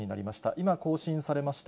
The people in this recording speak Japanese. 今、更新されました。